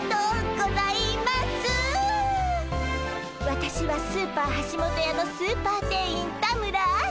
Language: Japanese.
私はスーパーはしもとやのスーパー店員田村愛。